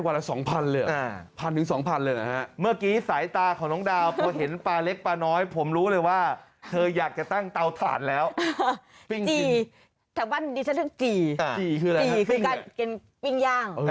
อะไรได้กว่าละ๒๐๐๐เลย